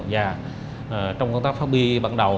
và trong công tác pháp bi bắt đầu